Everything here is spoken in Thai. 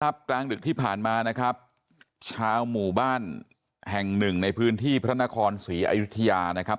กลางดึกที่ผ่านมานะครับชาวหมู่บ้านแห่งหนึ่งในพื้นที่พระนครศรีอยุธยานะครับ